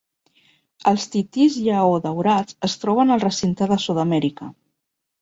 Els titís lleó daurats es troben al recinte de Sud-amèrica.